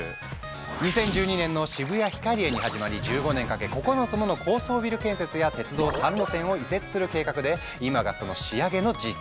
２０１２年の渋谷ヒカリエに始まり１５年かけ９つもの高層ビル建設や鉄道３路線を移設する計画で今がその仕上げの時期。